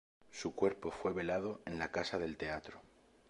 Su cuerpo fue velado en la Casa del Teatro.